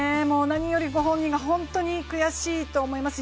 何よりご本人が本当に悔しいと思います。